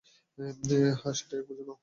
হ্যাঁ, সেটাই বুঝে নাও।